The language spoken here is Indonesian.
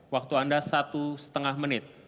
waktu anda satu setengah menit